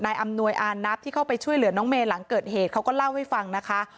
อำนวยอานับที่เข้าไปช่วยเหลือน้องเมย์หลังเกิดเหตุเขาก็เล่าให้ฟังนะคะ